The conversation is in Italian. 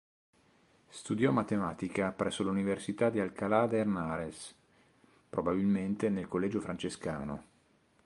Studiò matematica presso l'Università di Alcalá de Henares, probabilmente nel collegio francescano.